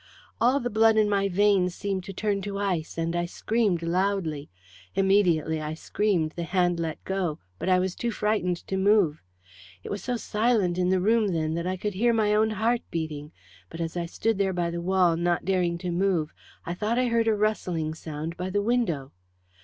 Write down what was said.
"All the blood in my veins seemed to turn to ice, and I screamed loudly. Immediately I screamed the hand let go, but I was too frightened to move. It was so silent in the room then, that I could hear my own heart beating, but as I stood there by the wall not daring to move I thought I heard a rustling sound by the window.